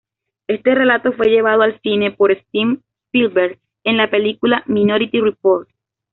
Este relato fue llevado al cine por Steven Spielberg en la película "Minority Report".